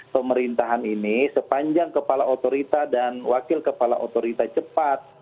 pemerintahan ini sepanjang kepala otorita dan wakil kepala otorita cepat